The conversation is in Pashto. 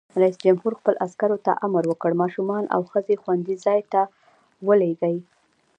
رئیس جمهور خپلو عسکرو ته امر وکړ؛ ماشومان او ښځې خوندي ځای ته ولېلوئ!